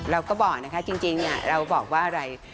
เราก็บอกนะคะจริงเราบอกว่าอะไร